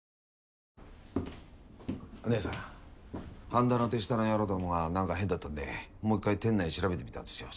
般田の手下の野郎どもがなんか変だったんでもう一回店内調べてみたんですよ。